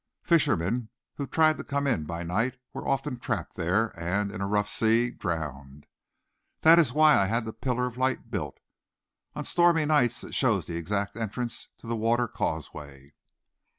Fishermen who tried to come in by night were often trapped there and, in a rough sea, drowned. That is why I had that pillar of light built. On stormy nights it shows the exact entrance to the water causeway."